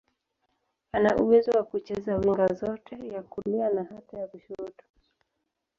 Ana uwezo wa kucheza winga zote, ya kulia na hata ya kushoto.